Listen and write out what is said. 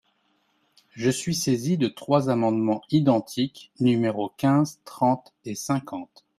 Je suis saisi de trois amendements identiques, numéros quinze, trente et cinquante.